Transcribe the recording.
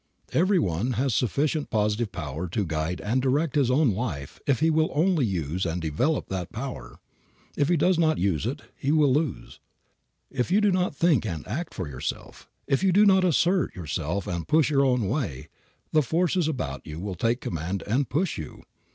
Every one has sufficient positive power to guide and direct his own life if he will only use and develop that power. If he does not use he will lose. If you do not think and act for yourself, if you do not assert yourself and push your own way, the forces about you will take command and push you.